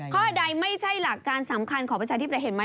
ข้อใดไม่ใช่หลักการสำคัญของประชาธิปัตยเห็นไหม